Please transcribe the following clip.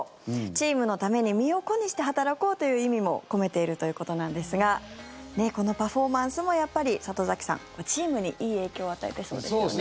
チームのために身を粉にして働こうという意味も込めているということなんですがこのパフォーマンスもやっぱり里崎さんチームにいい影響を与えてそうですよね。